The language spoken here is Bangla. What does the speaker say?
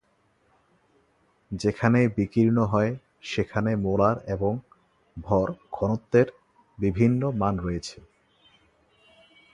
যেখানে বিকীর্ণ হয় সেখানে মোলার এবং ভর ঘনত্বের বিভিন্ন মান রয়েছে।